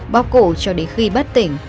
bóc cổ cho đến khi bắt tỉnh